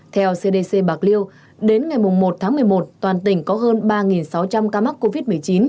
theo cdc bạc liêu đến ngày một tháng một mươi một toàn tỉnh có hơn ba sáu trăm linh ca mắc covid một mươi chín